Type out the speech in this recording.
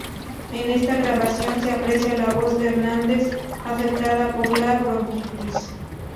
En esta grabación se aprecia la voz de Hernández afectada por la bronquitis.